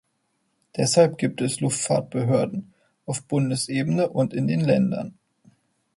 Deshalb gibt es Luftfahrtbehörden auf Bundesebene und in den Ländern.